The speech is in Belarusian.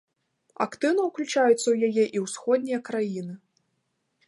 Актыўна ўключаюцца ў яе і ўсходнія краіны.